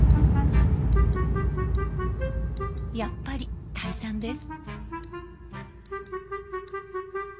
やっぱり退散です。